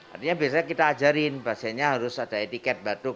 artinya biasanya kita ajarin vaksinnya harus ada etiket batuk